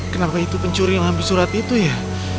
kenapa itu pencuri yang ambil surat itu ya